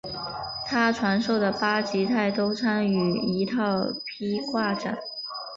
他传授的八极拳都参以一套劈挂掌。